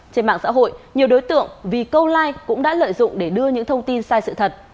trên mạng xã hội nhiều đối tượng vì câu like cũng đã lợi dụng để đưa những thông tin sai sự thật